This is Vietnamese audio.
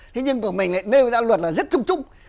thế nhưng của mình nêu ra luật là rất trung trung